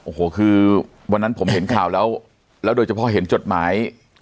โอ้โหคือวันนั้นผมเห็นข่าวแล้วแล้วโดยเฉพาะเห็นจดหมาย